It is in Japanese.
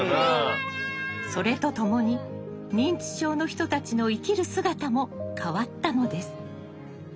それとともに認知症の人たちの生きる姿も変わったのです。